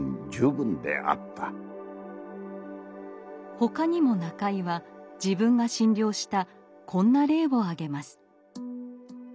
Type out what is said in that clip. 他にも中井は自分が診療したこんな例を挙げます。